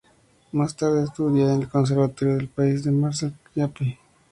Más tarde estudia en el Conservatorio de París con Marcel Ciampi.